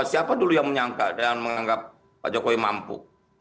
siapa dulu yang menyangka dan menganggap pak jokowi mampu